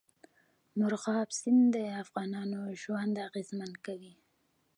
مورغاب سیند د افغانانو ژوند اغېزمن کوي.